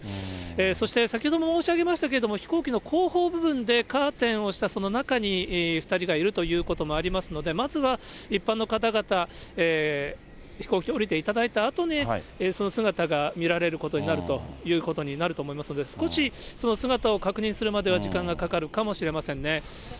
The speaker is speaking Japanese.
そして、先ほども申し上げましたけれども、飛行機の後方部分でカーテンをしたその中に２人がいるということもありますので、まずは一般の方々、飛行機を降りていただいたあとに、その姿が見られることになると思いますが、少し姿を確認するまでは時間がかかるかもしれませんね。